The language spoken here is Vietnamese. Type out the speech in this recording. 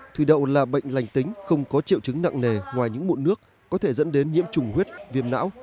thủy đậu là bệnh lành tính không có triệu chứng nặng nề ngoài những mụn nước có thể dẫn đến nhiễm trùng huyết viêm não